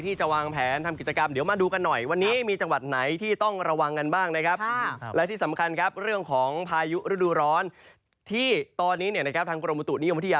ที่ตอนนี้นะครับทางกรมประตูนิยมวัฒนธิยา